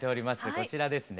こちらですね。